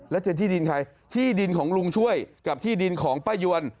แล้วเจอที่ดินใครที่ดินของลุงช่วยกับที่ดินของป้ายวน